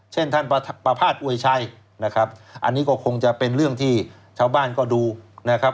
เช่นท่านประพาทอวยชัยนะครับอันนี้ก็คงจะเป็นเรื่องที่ชาวบ้านก็ดูนะครับ